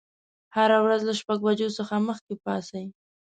هره ورځ له شپږ بجو څخه مخکې پاڅئ.